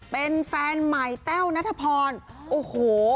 เป็นแฟนใหม่เต้วณภพอนโอโห